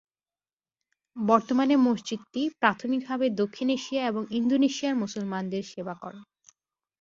বর্তমানে মসজিদটি প্রাথমিকভাবে দক্ষিণ এশিয়া এবং ইন্দোনেশিয়ার মুসলমানদের সেবা করে।